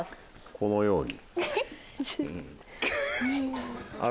このように。